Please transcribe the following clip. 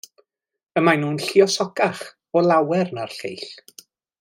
Y mae'n nhw'n lluosocach o lawer na'r lleill.